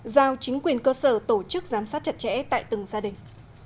giao chính quyền cơ sở tổ chức giám sát chặt chẽ tại từng gia đình